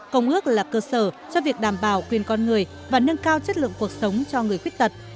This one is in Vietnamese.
công ước là cơ sở cho việc đảm bảo quyền con người và nâng cao chất lượng cuộc sống cho người khuyết tật